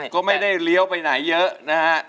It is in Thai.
ก็ไม่ได้เลี้ยวไปไหนเยอะนะฮะ